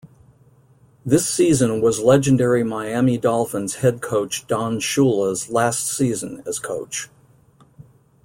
This season was legendary Miami Dolphins head coach Don Shula's last season as coach.